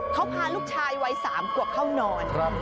เขาพาลูกชายวัย๓ขวบเข้านอน